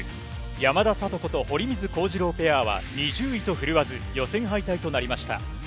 山田聡子と堀水宏次郎ペアは２０位と振るわず、予選敗退となりました。